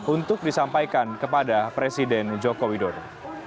untuk disampaikan kepada presiden joko widodo